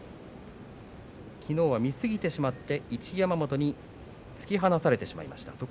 きのうは見すぎてしまって一山本に突き放されてしまいました。